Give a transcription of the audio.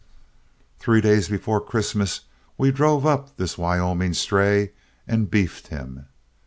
"Three days before Christmas we drove up this Wyoming stray and beefed him.